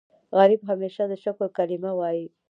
غریب همیشه د شکر کلمه وايي